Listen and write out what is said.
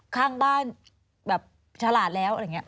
ข้างบ้านแบบฉลาดแล้วอะไรอย่างนี้